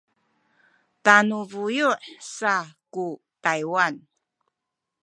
tanu buyu’ saku Taywan